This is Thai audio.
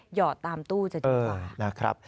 หยอดตามตู้จะดีกว่า